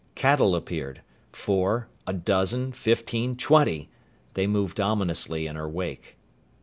Cattle appeared. Four, a dozen fifteen, twenty! They moved ominously in her wake.